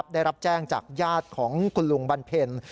ได้รับแจ้งจากญาติของคุณลุงบันเพ็ญ